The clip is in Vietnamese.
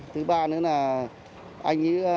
thứ ba nữa là anh ấy rất là hòa đồng với dân trong xã